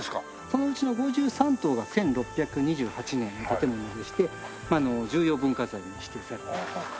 そのうちの５３棟が１６２８年の建物でして重要文化財に指定されています。